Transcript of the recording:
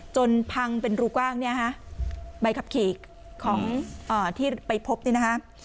จนพังเป็นรูกว้างเนี่ยฮะใบขับขี่ของที่ไปพบเนี่ยนะคะ